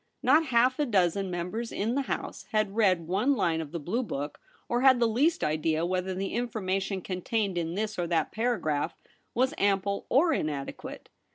Not half a dozen members in the House had read one line of the blue book, or had the least idea whether the information contained in this or that paragraph was ample or inadequate.